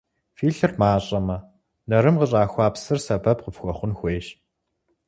Фи лъыр мащӀэмэ, нарым къыщӏахуа псыр сэбэп къыфхуэхъун хуейщ.